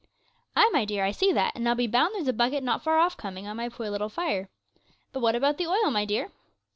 'Ay, my dear, I see that, and I'll be bound there's a bucket not far off coming on my poor little fire. But what about the oil, my dear?'